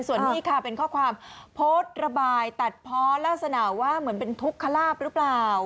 ส่วนนี้ค่ะเป็นข้อความโพสต์ระบายตัดเพาะลักษณะว่าเหมือนเป็นทุกขลาบหรือเปล่า